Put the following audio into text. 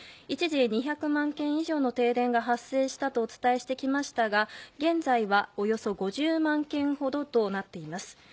一時、２００万軒以上の停電が発生したとお伝えしてきましたが現在はおよそ５０万軒ほどです。